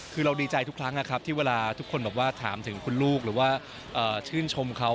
คือเราดีใจทุกครั้งนะครับที่เวลาทุกคนแบบว่าถามถึงคุณลูกหรือว่าชื่นชมเขา